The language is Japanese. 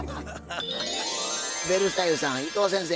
ベルサイユさん伊藤先生